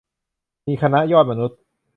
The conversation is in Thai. มี คณะยอดมนุษย์